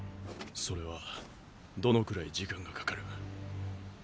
それはどのくらい時間がかかる？